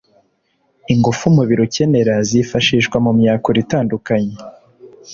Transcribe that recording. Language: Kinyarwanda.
Ingufu umubiri ukenera zifashishwa mu myakura itandukanye